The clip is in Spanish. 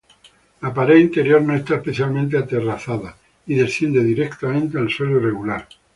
La pared interior no está especialmente aterrazada, y desciende directamente al suelo irregular.